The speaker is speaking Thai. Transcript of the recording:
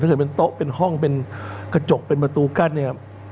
เกิดเป็นโต๊ะเป็นห้องเป็นกระจกเป็นประตูกั้นเนี่ย